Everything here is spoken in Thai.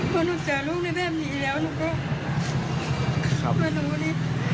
พอหนูเจอลูกในแบบนี้แล้วหนูก็มาดูดิ